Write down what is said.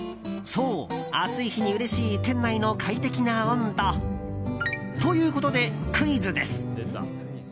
そう、暑い日にうれしい店内の快適な温度。ということで、クイズです。